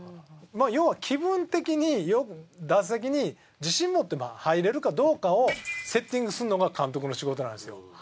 まあ要は気分的に打席に自信持って入れるかどうかをセッティングするのが監督の仕事なんですよ。